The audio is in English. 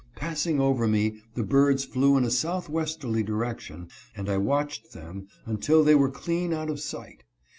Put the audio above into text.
Passing over me, the birds flew in a southwesterly direction, and I watched them until they were clean out of sight.